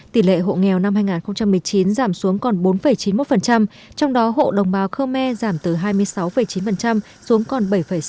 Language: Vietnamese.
tỷ lệ hộ nghèo năm hai nghìn một mươi chín giảm xuống còn bốn chín mươi một trong đó hộ đồng bào khơ me giảm từ hai mươi sáu chín xuống còn bảy sáu mươi